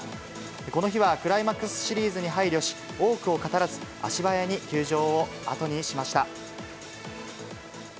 この日はクライマックスシリーズに配慮し、多くを語らず、足早に球場を後にしました。